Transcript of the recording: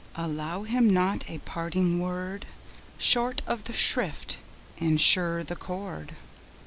Allow him not a parting word; Short be the shrift, and sure the cord!